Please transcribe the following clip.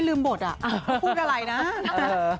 เฮ้ยลืมประโยชน์พูดอะไรนะโอเค